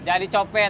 jangan di corbat